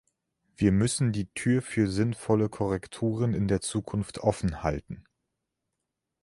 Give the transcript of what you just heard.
Wir müssen die Tür für sinnvolle Korrekturen in der Zukunft offen halten.